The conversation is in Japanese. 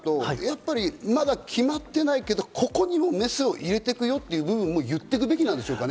まだ決まってないけど、ここにもメスを入れていくよという部分も言っていくべきですか？